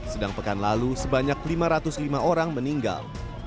sedang pekan lalu sebanyak lima ratus lima orang meninggal